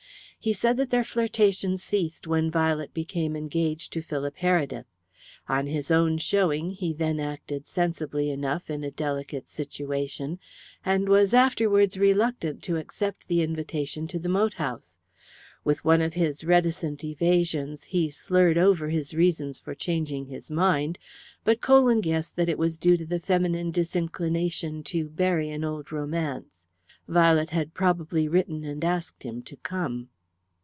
He said that their flirtation ceased when Violet became engaged to Philip Heredith. On his own showing he then acted sensibly enough in a delicate situation, and was afterwards reluctant to accept the invitation to the moat house. With one of his reticent evasions he slurred over his reason for changing his mind, but Colwyn guessed that it was due to the feminine disinclination to bury an old romance. Violet had probably written and asked him to come.